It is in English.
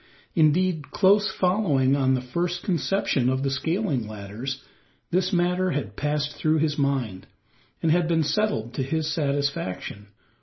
Indeed, close following on the first conception of the scaling ladders, this matter had passed through his mind, and had been settled to his satisfaction.